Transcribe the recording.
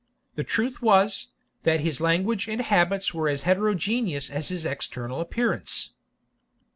The truth was, that his language and habits were as heterogeneous as his external appearance.